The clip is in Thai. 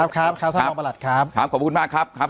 ขอบคุณเอกภพโอเคครับขอบคุณมากครับสวัสดีครับ